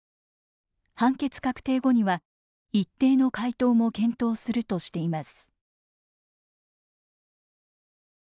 判決確定後には一定の回答も検討する」としています。